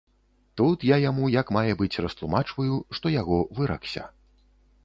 Тут я яму як мае быць растлумачваю, што яго выракся.